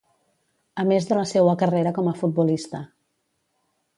A més de la seua carrera com a futbolista.